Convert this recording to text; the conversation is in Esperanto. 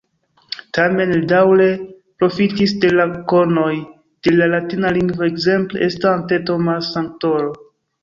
Tamen li daŭre profitis de la konoj de la latina lingvo ekzemple estante Thomas-kantoro.